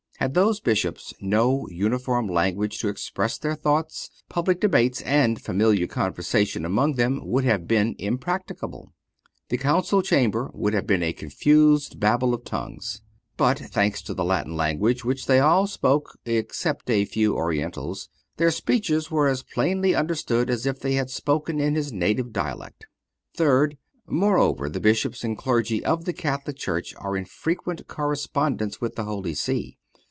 Had those Bishops no uniform language to express their thoughts, public debates and familiar conversation among them would have been impracticable. The Council Chamber would have been a confused Babel of tongues. But, thanks to the Latin language, which they all spoke (except a few Orientals), their speeches were as plainly understood as if each had spoken in his native dialect. Third—Moreover, the Bishops and Clergy of the Catholic Church are in frequent correspondence with the Holy See.